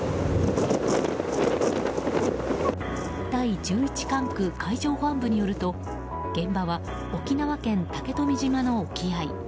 第１１管区海上保安本部によると現場は沖縄県竹富島の沖合。